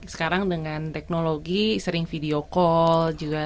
sekarang dengan teknologi sering video call juga